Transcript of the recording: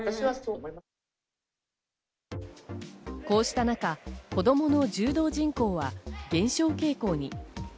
こうした中、子供の柔道人口は減少傾向に。